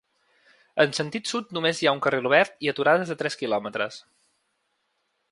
En sentit sud, només hi ha un carril obert i aturades de tres quilòmetres.